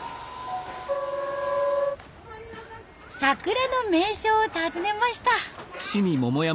桜の名所を訪ねました。